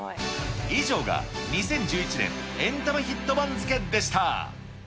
以上が２０１１年エンタメヒット番付でした。